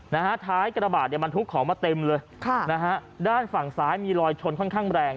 นะฮะท้ายกระบาดเนี่ยบรรทุกของมาเต็มเลยค่ะนะฮะด้านฝั่งซ้ายมีรอยชนค่อนข้างแรง